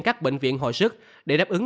các bệnh viện hội sức để đáp ứng